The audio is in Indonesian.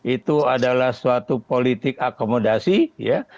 itu adalah suatu politik akomodasi ya